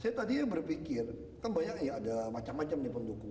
saya tadi berpikir kan banyak ya ada macam macam nih pendukung